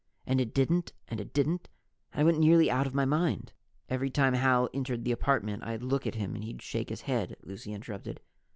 And it didn't, and it didn't and I went nearly out of my mind " "Every time Hal entered the apartment, I'd look at him and he'd shake his head," Lucy interrupted.